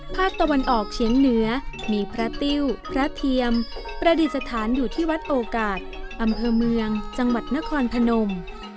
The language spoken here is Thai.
ภาคตะวันออกเฉียงเหนือมีพระติ้วพระเทียมประดิษฐานอยู่ที่วัดโอกาสอำเภอเมืองจังหวัดนครพนม